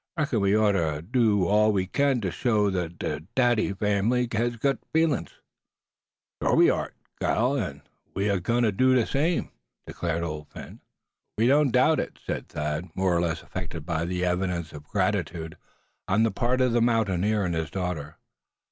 Reckon we ort tuh do all we kin ter show 'em ther Dady fambly hes gut feelins." "Shore we ort, gal, an' we's agwine tuh do thet same," declared Old Phin. "We don't doubt it," said Thad, more or less affected by these evidences of gratitude on the part of the mountaineer and his daughter.